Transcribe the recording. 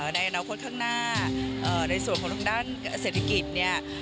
ในอนาคตข้างหน้าในส่วนของทางด้านเศรษฐกิจเนี่ย